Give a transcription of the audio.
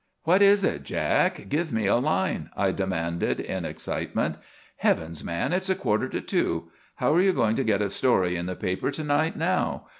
"What is it, Jack? Give me a line," I demanded in excitement. "Heavens, man, it's quarter to two! How are you going to get a story in the paper to night now?